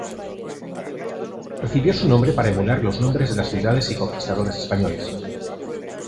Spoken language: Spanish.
Recibió su nombre para emular los nombres de las ciudades y conquistadores españoles.